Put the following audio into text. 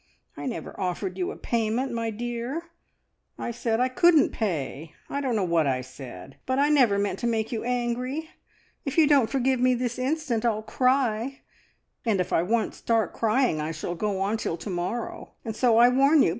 I never offered you a payment, my dear; I said I couldn't pay. I don't know what I said, but I never meant to make you angry! If you don't forgive me this instant, I'll cry, and if I once start crying, I shall go on till to morrow, and so I warn you!